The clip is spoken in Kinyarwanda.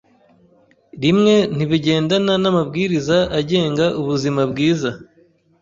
rimwe ntibigendana n’amabwiriza agenga ubuzima bwiza.